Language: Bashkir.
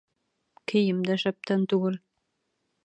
Кейем дә шәптән түгел.